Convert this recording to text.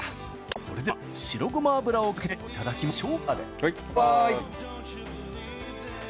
それでは白ごま油をかけていただきましょう！